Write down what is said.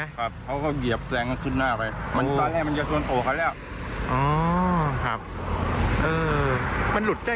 เวลาช่วงกระทรวจอ่อมันกระทรวจก็ลุดได้